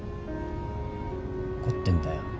怒ってんだよ